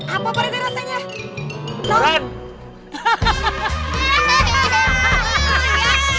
apa pak rete rasanya